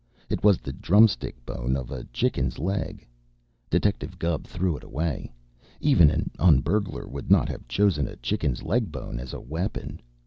It was the drumstick bone of a chicken's leg. Detective Gubb threw it away. Even an un burglar would not have chosen a chicken's leg bone as a weapon.